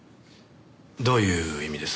どういう意味です？